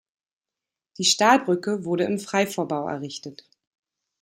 Die Stahlbrücke wurde im Freivorbau errichtet.